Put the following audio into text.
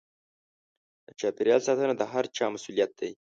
د چاپېريال ساتنه د هر چا مسووليت دی.